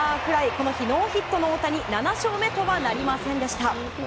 この日ノーヒットの大谷７勝目とはなりませんでした。